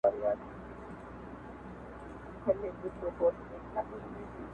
ستا قدم زموږ یې لېمه خو غریبي ده,